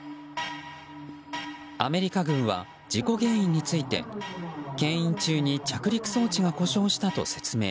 アメリカ軍は事故原因について牽引中に着陸装置が故障したと説明。